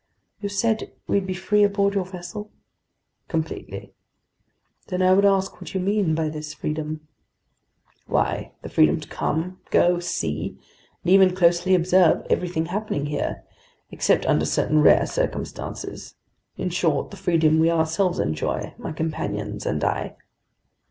"You said we'd be free aboard your vessel?" "Completely." "Then I would ask what you mean by this freedom." "Why, the freedom to come, go, see, and even closely observe everything happening here—except under certain rare circumstances—in short, the freedom we ourselves enjoy, my companions and I."